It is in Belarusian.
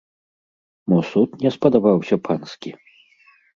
Мо суд не спадабаўся панскі?!